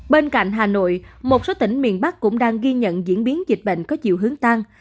bên cạnh hà nội một số tỉnh miền bắc cũng đang ghi nhận diễn biến dịch bệnh có chiều hướng tăng